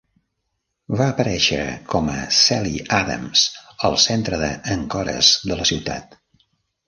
Va aparèixer com a Sally Adams al Centre de Encores de la ciutat!